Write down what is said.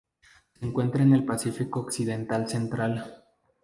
Se encuentra en el Pacífico occidental central